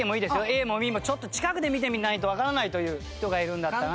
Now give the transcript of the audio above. ＡもＢも近くで見てみないとわからないという人がいるんだったらね。